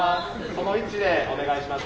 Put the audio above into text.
その位置でお願いします。